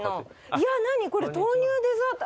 何これ豆乳デザート。